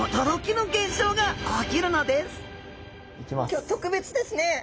今日特別ですね。